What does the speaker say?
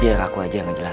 biar aku aja yang ngejelasin